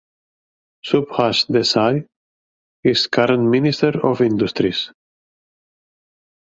Subhash Desai is current Minister of Industries.